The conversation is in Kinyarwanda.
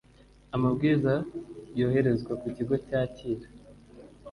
amabwiriza yoherezwa ku kigo cyakira